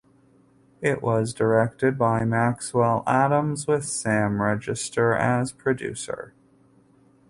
It was directed by Maxwell Atoms with Sam Register as producer.